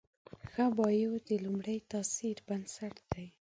ښه بایو د لومړي تاثر بنسټ دی.